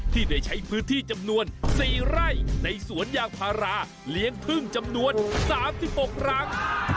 ที่ได้ใช้พื้นที่จำนวน๔ไร่ในสวนยางพาราเลี้ยงพึ่งจำนวน๓๖รัง